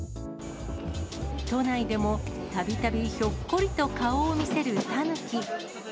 都内でもたびたびひょっこりと顔を見せるタヌキ。